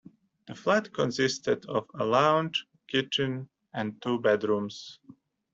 The flat consisted of a lounge, kitchen and two bedrooms.